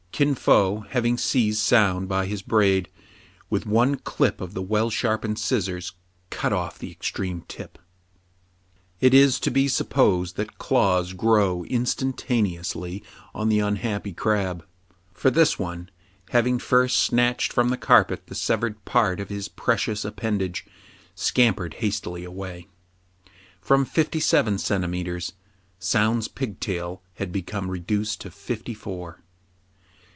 Kin Fo, having . seized Soun by his braid, with one clip of the well sharpened scissors cut off the extreme tip. It is to be supposed that claws grow instantané AN IMPORTANT LETTER, 45 ously on the unhappy crab ; for this one, having first snatched from the carpet the severed part of his precious appendage, scampered hastily away. From fifty seven centimetres, Soun's 'pigtail had become reduced to fifty four.